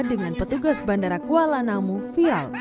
dengan petugas bandara kuala namu vial